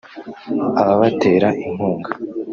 ababatera inkunga